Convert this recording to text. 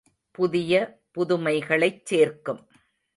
புதிய புதுமைகளைச் சேர்க்கும்.